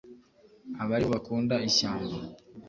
aba ari bo bakunda ishyamba,